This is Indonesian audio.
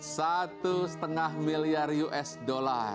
satu setengah miliar usd